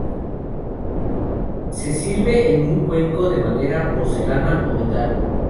Se sirve en un cuenco de madera, porcelana o metal.